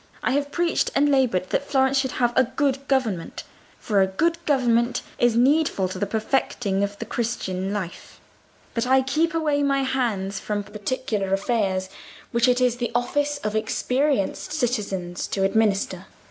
"I have preached and laboured that Florence should have a good government, for a good government is needful to the perfecting of the Christian life; but I keep away my hands from particular affairs which it is the office of experienced citizens to administer."